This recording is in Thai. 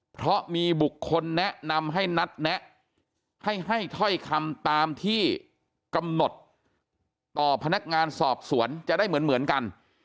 เพราะมีบุคคลแนะนำให้นัดแนะให้ถ้อยคำตามที่กำหนดต่อพนักงานสอบสวนจะได้เหมือนกัน